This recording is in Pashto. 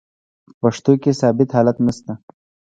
په پښتو کښي ثابت حالت نسته.